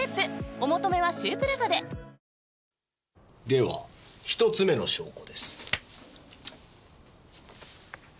では１つ目の証拠です。